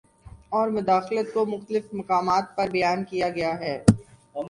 اور مداخلت کو مختلف مقامات پر بیان کیا گیا ہے